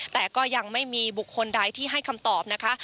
แต่ก็ยังไม่มีบุคคลใดที่ให้คำตอบนะคะ